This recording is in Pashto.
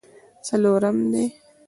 څلورم دی.